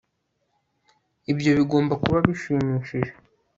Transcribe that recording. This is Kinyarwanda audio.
ibyo bigomba kuba bishimishije